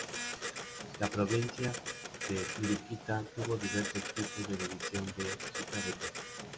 La provincia de Mariquita tuvo diversos tipos de división de su territorio.